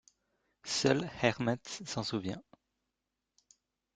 Seule Airmed s'en souvient.